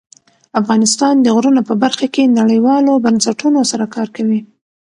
افغانستان د غرونه په برخه کې نړیوالو بنسټونو سره کار کوي.